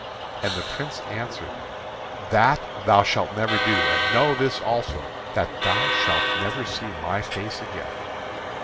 And the Prince answered: "That thou shalt never do. And know this also, that thou shalt never see my face again."